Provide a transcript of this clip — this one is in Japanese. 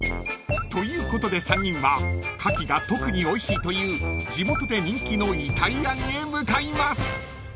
［ということで３人はカキが特においしいという地元で人気のイタリアンへ向かいます］